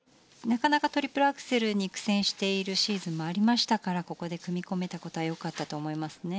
なかなかトリプルアクセルに苦戦しているシーズンもありましたからここで組み込めたことはよかったと思いますね。